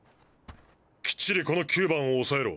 きっちりこの９番をおさえろ。